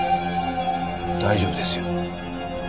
大丈夫ですよ。